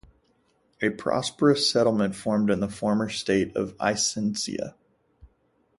A prosperous settlement formed in the former state of Aycinena.